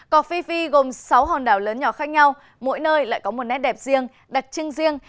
cọc phi phi gồm sáu hòn đảo lớn nhỏ khác nhau mỗi nơi lại có một nét đẹp riêng đặc trưng riêng